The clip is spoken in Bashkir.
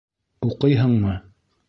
Уҡыйһыңмы?